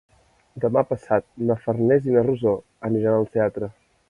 Demà passat na Farners i na Rosó aniran al teatre.